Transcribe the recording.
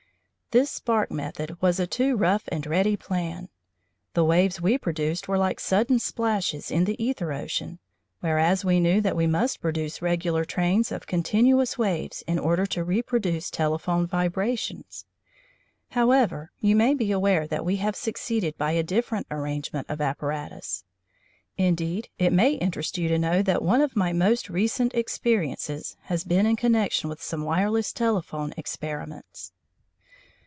This spark method was a too rough and ready plan. The waves we produced were like sudden splashes in the æther ocean, whereas we knew that we must produce regular trains of continuous waves in order to reproduce telephone vibrations. However, you may be aware that we have succeeded by a different arrangement of apparatus. Indeed it may interest you to know that one of my most recent experiences has been in connection with some wireless telephone experiments.